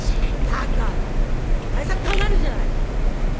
だからその対策考えるんじゃない！